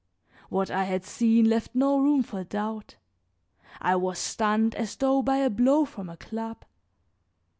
What I had seen left no room for doubt, I was stunned as though by a blow from a club.